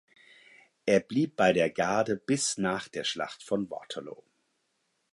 Er blieb bei der Garde bis nach der Schlacht bei Waterloo.